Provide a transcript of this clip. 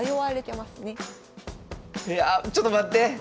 いやちょっと待って！